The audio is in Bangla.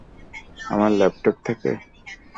আমার ল্যাপটপ থেকে?